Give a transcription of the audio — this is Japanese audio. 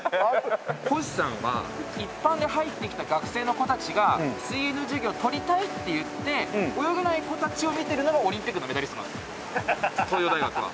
星さんは一般で入ってきた学生の子たちが水泳の授業とりたいって言って泳げない子たちを見てるのがオリンピックのメダリストなんですよ東洋大学は。